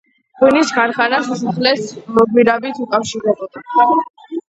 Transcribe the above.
ღვინის ქარხანა სასახლეს გვირაბით უკავშირდებოდა.